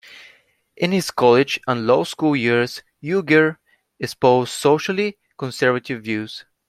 In his college and law school years, Uygur espoused socially conservative views.